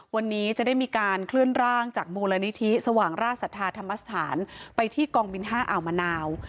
วันนี้จะได้มีการเคลื่อนร่างจากมูลนิธิสว่างราชศรัทธาธรรมสถานไปที่กองบิน๕อ่าวมะนาว